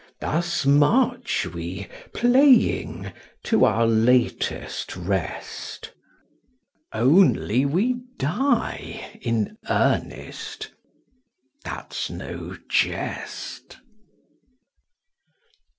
Thus march we, playing, to our latest rest, Only we die in earnest, that's no jest.